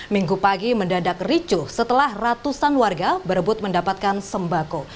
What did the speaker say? minggu pagi mendadak ricuh setelah ratusan warga berebut mendapatkan sembako